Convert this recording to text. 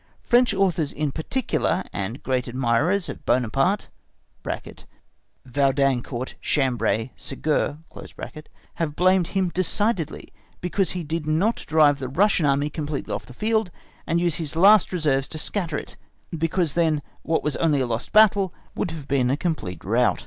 French authors in particular, and great admirers of Buonaparte (Vaudancourt, Chambray, Ségur), have blamed him decidedly because he did not drive the Russian Army completely off the field, and use his last reserves to scatter it, because then what was only a lost battle would have been a complete rout.